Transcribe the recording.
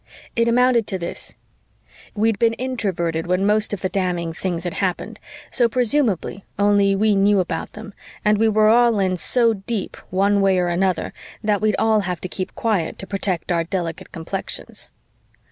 It amounted to this: We'd been Introverted when most of the damning things had happened, so presumably only we knew about them, and we were all in so deep one way or another that we'd all have to keep quiet to protect our delicate complexions.